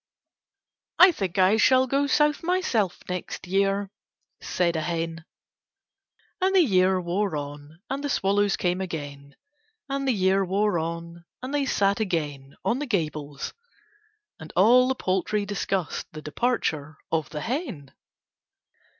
"I think I shall go South myself next year," said a hen. And the year wore on and the swallows came again, and the year wore on and they sat again on the gables, and all the poultry discussed the departure of the hen.